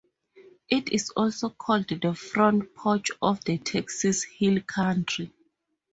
It is also called "The Front Porch of the Texas Hill Country".